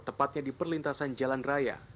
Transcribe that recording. tepatnya di perlintasan jalan raya